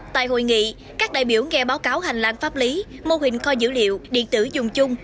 tại hội nghị các đại biểu nghe báo cáo hành lang pháp lý mô hình kho dữ liệu điện tử dùng chung